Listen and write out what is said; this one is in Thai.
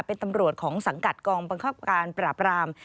เป็นตำรวจของสังกัดกองบังคับการปราบราม